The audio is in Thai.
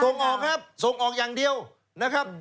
ส่งออกครับส่งออกอย่างเดียวนะครับ